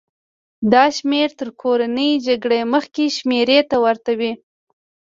دا شمېر تر کورنۍ جګړې مخکې شمېرې ته ورته و.